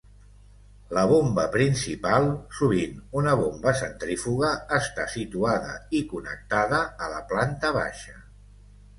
La bomba principal, sovint una bomba centrífuga, està situada i connectada a la planta baixa.